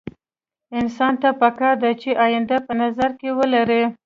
انسان ته پکار ده چې اينده په نظر کې ولري.